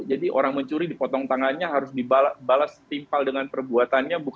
jadi orang mencuri dipotong tangannya harus dibalas timpal dengan perbuatannya